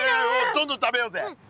どんどん食べようぜ。